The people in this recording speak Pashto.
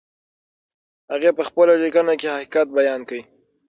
هغې په خپله لیکنه کې حقیقت بیان کړ.